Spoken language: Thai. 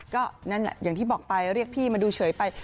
ก็นั่นแหละอย่างที่บอกไปเรียกพี่มาดูเฉยไป